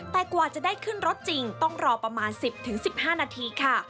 แต่กว่าจะได้ขึ้นรถจริงต้องรอประมาณ๑๐๑๕นาทีค่ะ